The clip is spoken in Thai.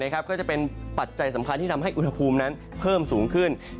ก็จะเป็นปัจจัยสำคัญที่ทำให้อุณหภูมินั้นเพิ่มสูงขึ้น